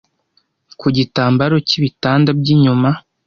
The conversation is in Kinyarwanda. ku gitambaro cy'ibitanda by'icyuma